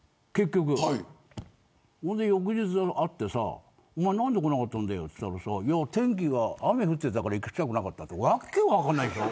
そんで翌日会って何で来なかったんだよと言ったら天気が、雨降っていたから行きたくなかったって訳分からないでしょ。